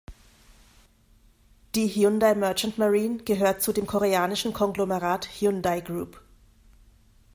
Die Hyundai Merchant Marine gehört zu dem koreanischen Konglomerat Hyundai Group.